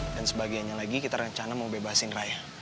dan sebagiannya lagi kita rencana mau bebasin rai